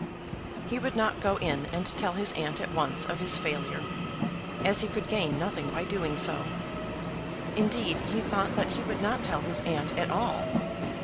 He would not go in and tell his aunt at once of his failure, as he could gain nothing by doing so. Indeed, he thought that he would not tell his aunt at all.